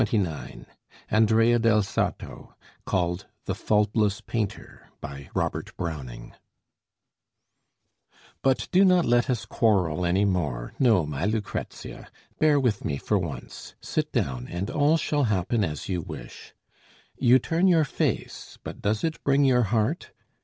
Burlingame signature] ANDREA DEL SARTO CALLED "THE FAULTLESS PAINTER" But do not let us quarrel any more; No, my Lucrezia! bear with me for once: Sit down and all shall happen as you wish. You turn your face, but does it bring your heart?